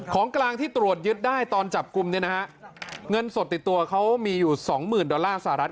ของกลางที่ตรวจยึดได้ตอนจับกลุ่มเนี่ยนะฮะเงินสดติดตัวเขามีอยู่สองหมื่นดอลลาร์สหรัฐ